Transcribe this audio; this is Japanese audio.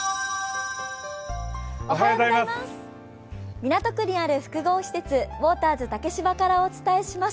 港区にある複合施設、ウォーターズ竹芝からお伝えします。